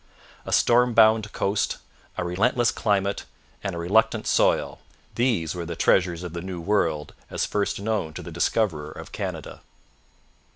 A storm bound coast, a relentless climate and a reluctant soil these were the treasures of the New World as first known to the discoverer of Canada.